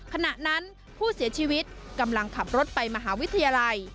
ขณะนั้นผู้เสียชีวิตกำลังขับรถไปมหาวิทยาลัย